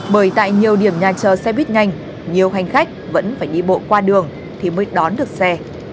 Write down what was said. bởi tại nhiều điểm nhà chờ xe buýt nhanh nhiều hành khách vẫn phải đi bộ qua đường thì mới đón được xe